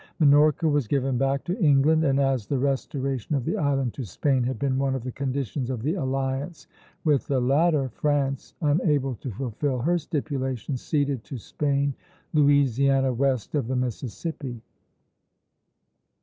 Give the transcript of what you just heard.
Minorca was given back to England; and as the restoration of the island to Spain had been one of the conditions of the alliance with the latter, France, unable to fulfil her stipulation, ceded to Spain Louisiana west of the Mississippi.